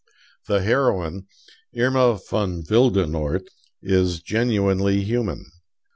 The heroine, Irma von Wildenort, is genuinely human.